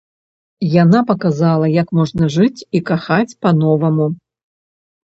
Яна паказала, як можна жыць і кахаць па-новаму.